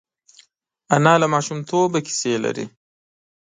انا له ماشومتوبه کیسې لري